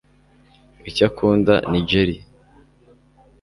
icyo akunda ni jelly